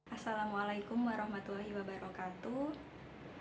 assalamualaikum warahmatullahi wabarakatuh